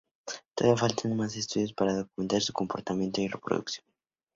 Todavía faltan más estudios para documentar su comportamiento y reproducción.